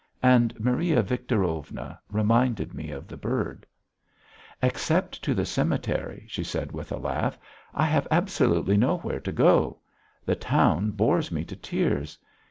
And Maria Victorovna reminded me of the bird. "Except to the cemetery," she said with a laugh, "I have absolutely nowhere to go. The town bores me to tears.